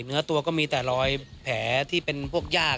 เนื้อตัวก็มีแต่รอยแผลที่เป็นพวกญาติ